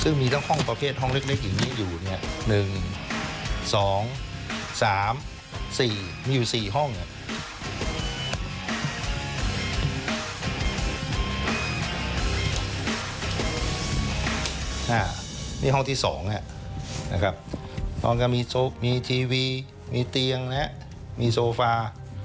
นี่ห้องที่๒นะครับตอนกันมีทีวีมีเตียงมีโซฟา